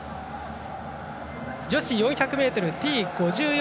女子４００ｍＴ５４